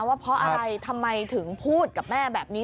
ว่าเพราะอะไรทำไมถึงพูดกับแม่แบบนี้